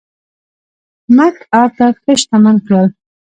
مک ارتر ښه شتمن کړل.